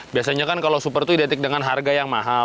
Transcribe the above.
biasanya kan kalau super itu identik dengan harga yang mahal